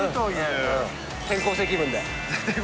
転校生気分。